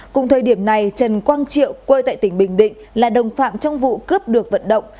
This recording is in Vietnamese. cùng thời điểm này trần quang triệu quê tại tỉnh bình định là đồng phạm trong vụ cướp được vận động